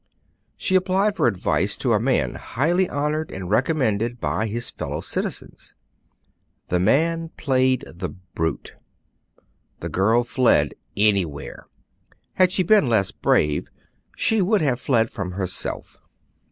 She applied for advice to a man highly honored and recommended by his fellow citizens. The man played the brute. The girl fled anywhere. Had she been less brave, she would have fled from herself.